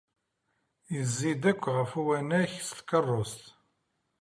Yezzi-d akk ɣef uwanak s tkeṛṛust.